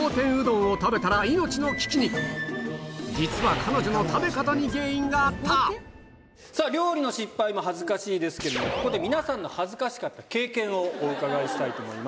彼女はその後さぁ料理の失敗も恥ずかしいですけれどもここで皆さんの恥ずかしかった経験をお伺いしたいと思います。